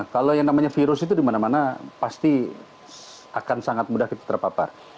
kalau yang namanya virus itu dimana mana pasti akan sangat mudah kita terpapar